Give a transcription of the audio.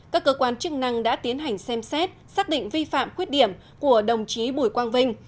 các cơ quan chức năng đã tiến hành xem xét xác định vi phạm khuyết điểm của đồng chí bùi quang vinh